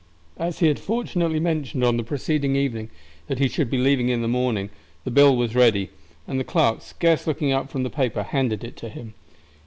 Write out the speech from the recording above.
As he had fortunately mentioned on the preceding evening that he should be leaving in the morning, the bill was ready; and the clerk, scarce looking up from the paper, handed it to him.